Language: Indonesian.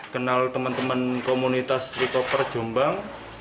kenal teman teman komunitas rikoper jumbang